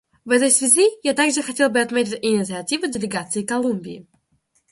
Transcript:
В этой связи я также хотел бы отметить инициативу делегации Колумбии.